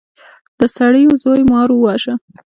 د سړي زوی مار وواژه.